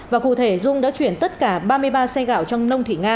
và cụ thể dung đã chuyển tất cả ba mươi ba xe gạo trong nông thị nga